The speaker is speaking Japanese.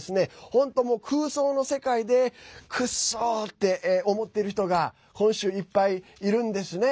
本当、空想の世界でくっそ！って思っている人が今週、いっぱいいるんですね。